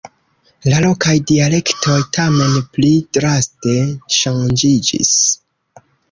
La lokaj dialektoj, tamen, pli draste ŝanĝiĝis.